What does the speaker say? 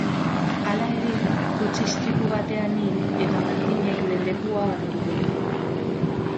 Hala ere, kotxe-istripu batean hil eta Martinek mendekua hartuko du.